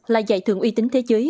là giải thưởng uy tín thế giới